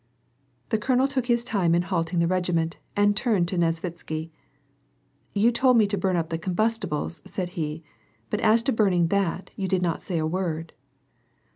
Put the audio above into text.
The colonel took his time in halting the regiment, and turned to Nesvitsky, —" You told me to bum up the combustibles," said he, " but as to burning that, you did not say a word."